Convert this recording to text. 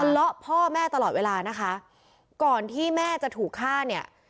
ละพ่อแม่ตลอดเวลานะคะก่อนที่แม่จะถูกฆ่าเนี่ย